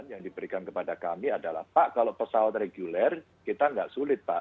yang diberikan kepada kami adalah pak kalau pesawat reguler kita nggak sulit pak